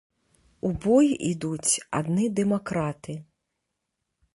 У бой ідуць адны дэмакраты.